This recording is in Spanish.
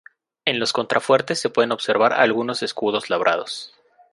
En los contrafuertes se pueden observar algunos escudos labrados.